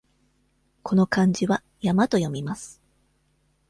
この漢字は「やま」と読みます。